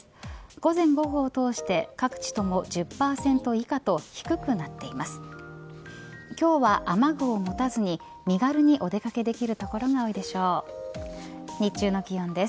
午前午後を通して各地とも１０％以下と低くなっています。